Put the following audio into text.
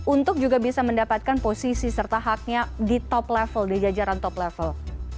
untuk juga bisa mendapatkan posisi serta haknya di top level di jajaran top level